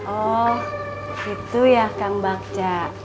oh gitu ya kang bagja